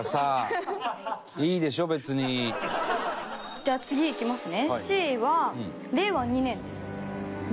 じゃあ次いきますね。